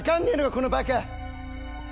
このバカ。